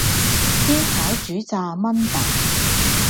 煎炒煮炸炆燉